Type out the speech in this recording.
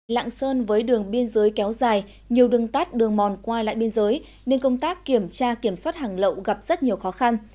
lạng sơn với đường biên giới kéo dài nhiều đường tát đường mòn qua lại biên giới nên công tác kiểm tra kiểm soát hàng lậu gặp rất nhiều khó khăn